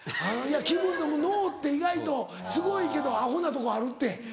気分でもう脳って意外とすごいけどアホなとこあるって。